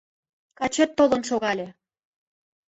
Качет толын шогале.